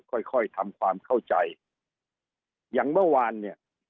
ค่อยค่อยทำความเข้าใจอย่างเมื่อวานเนี่ย